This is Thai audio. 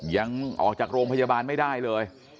ยังออกจากโรงพยาบาลไม่ได้เลย